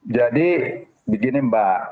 jadi begini mbak